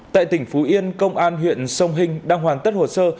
tại tỉnh phú yên công an huyện sông hình đang hoàn tất hồ sơ